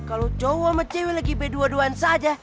kalau cowok sama cewek lagi berdua duan saja